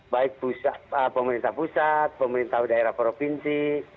baik pemerintah pusat pemerintah daerah provinsi